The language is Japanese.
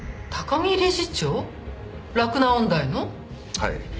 はい。